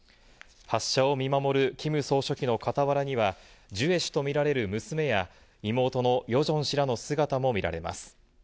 発射を見守るキム総書記の傍らには、ジュエ氏とみられる娘や妹のヨジョン氏らの姿も見られます。